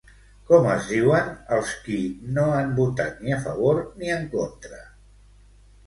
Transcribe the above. Com es diuen els qui no han votat ni a favor ni en contra?